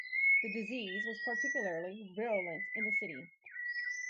The disease was particularly virulent in the city.